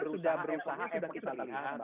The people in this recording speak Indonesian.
sudah berusaha sudah berusaha